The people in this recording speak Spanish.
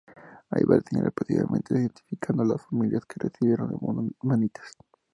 Hay varias señales posiblemente identificando a las familias que residieron en Manitas.